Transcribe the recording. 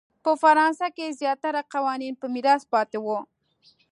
په فرانسه کې زیاتره قوانین په میراث پاتې وو.